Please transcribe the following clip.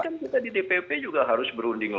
kita di dpp juga harus berunding lagi